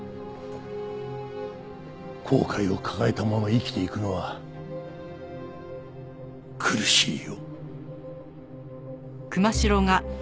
後悔を抱えたまま生きていくのは苦しいよ。